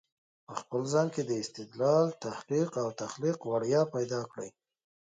په خپل ځان کې د استدلال، تحقیق او تخليق وړتیا پیدا کړی